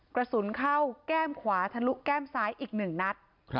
กระสุนเข้าแก้มขวาทะลุแก้มซ้ายอีก๑นัด